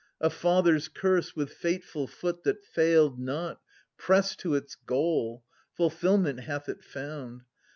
^ (Ant. I.) A father's curse, with fateful foot that failed not, 840 Pressed to its goal : fulfilment hath it found.